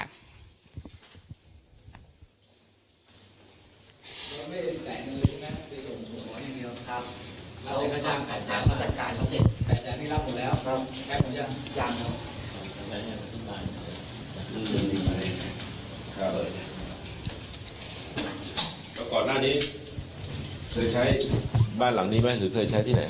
เคยใช้บ้านหลังนี้ไหมหรือเคยใช้ที่ไหน